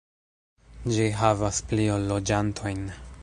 Ĝi havas pli ol loĝantojn.